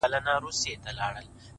د ظالم لور _